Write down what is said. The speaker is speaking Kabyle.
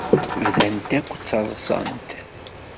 Bdant akk ttaḍsant.